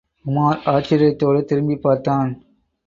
உமார் ஆச்சரியத்தோடு திரும்பிப் பார்த்தான்.